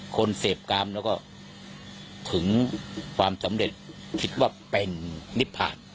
คนเสพกรรมแล้วก็ถึงความสำเร็จคิดว่าเป็นนิพะ